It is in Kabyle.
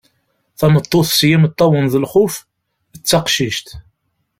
Tameṭṭut s yimeṭṭawen d lxuf: D taqcict.